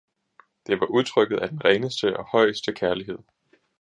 det var udtrykket af den reneste og den højeste kærlighed!